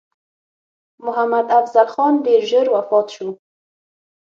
محمدافضل خان ډېر ژر وفات شو.